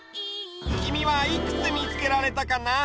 きみはいくつみつけられたかな？